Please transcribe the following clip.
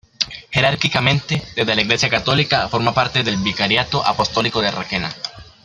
Jerárquicamente desde la Iglesia Católica forma parte del Vicariato Apostólico de Requena.